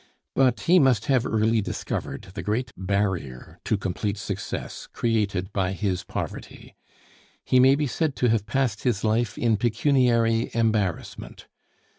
But he must have early discovered the great barrier to complete success created by his poverty. He may be said to have passed his life in pecuniary embarrassment.